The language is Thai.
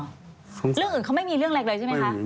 เรื่องอื่นเขาไม่มีเรื่องอะไรเลยใช่ไหมคะ